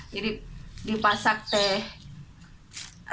jadi dipasak teh